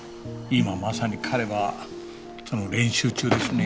今まさに彼はその練習中ですね。